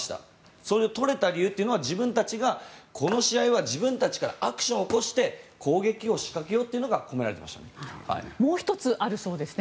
その取れた理由は、自分たちがこの試合は自分たちからアクションを起こして攻撃を仕掛けようというのがもう１つあるようですね。